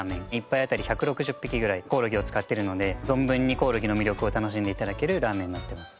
１杯当たり１６０匹ぐらいコオロギを使ってるので存分にコオロギを魅力を楽しんで頂けるラーメンになっています。